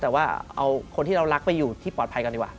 แต่ว่าเอาคนที่เรารักไปอยู่ที่ปลอดภัยกันดีกว่า